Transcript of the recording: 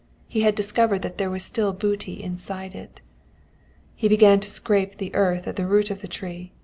He had discovered that there was still booty inside it. "He began to scrape the earth at the root of the tree.